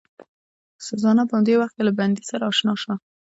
سوزانا په همدې وخت کې له بندي سره اشنا شوه.